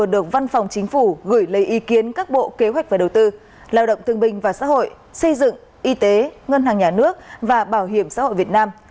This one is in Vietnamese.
được văn phòng chính phủ gửi lấy ý kiến các bộ kế hoạch và đầu tư lao động thương binh và xã hội xây dựng y tế ngân hàng nhà nước và bảo hiểm xã hội việt nam